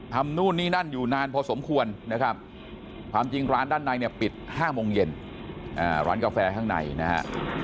นู่นนี่นั่นอยู่นานพอสมควรนะครับความจริงร้านด้านในเนี่ยปิด๕โมงเย็นร้านกาแฟข้างในนะฮะ